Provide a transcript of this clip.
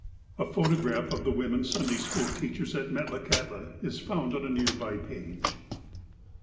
(A photograph of the women Sunday school teachers at Metlakahtla is found on a near by page.)